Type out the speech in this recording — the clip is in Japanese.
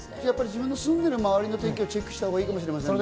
自分の住んでる周りの天気をチェックしたほうがいいかもしれませんね。